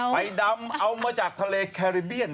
ใบดำเอามาจากทะเลแคริเบียน